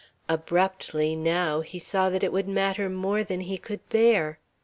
Abruptly now he saw that it would matter more than he could bear.